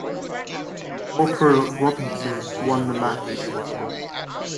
Corporal Robinson won the match.